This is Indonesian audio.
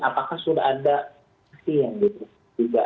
apakah sudah ada